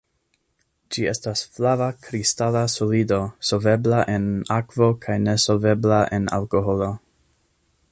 Ĝi estas flava kristala solido, solvebla en akvo kaj nesolvebla en alkoholo.